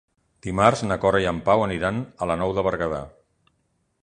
Dimarts na Cora i en Pau aniran a la Nou de Berguedà.